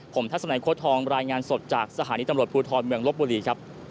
ผมทัศนัยโค้ทองรายงานสดจากสถานีตำรวจภูทรเมืองลบบุรีครับ